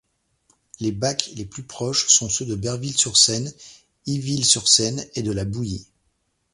Les bacs les plus proches sont ceux de Berville-sur-Seine, Yville-sur-Seine et de La Bouille.